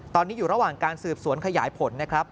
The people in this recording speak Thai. ตอนนี้อยู่ระหว่างการสืบสวนขยายผลนะครับ